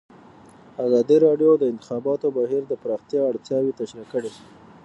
ازادي راډیو د د انتخاباتو بهیر د پراختیا اړتیاوې تشریح کړي.